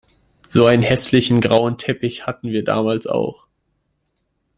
So einen hässlichen, grauen Teppich hatten wir damals auch.